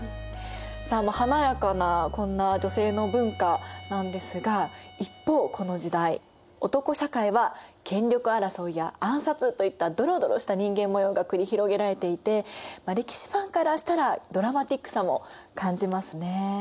さあ華やかなこんな女性の文化なんですが一方この時代男社会は権力争いや暗殺といったドロドロした人間模様が繰り広げられていて歴史ファンからしたらドラマティックさも感じますね。